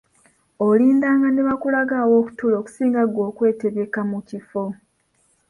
Olindanga nebakulaga awokutuula okusinga gwe okwetyebeka mu kifo.